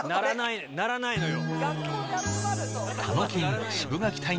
鳴らないのよ。